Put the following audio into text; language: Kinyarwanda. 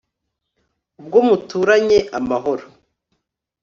Ubwo muturanye amahoro